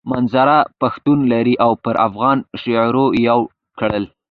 منظور پښتون لر او بر افغانان شعوري يو کړل.